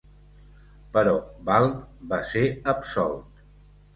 Però Balb va ser absolt.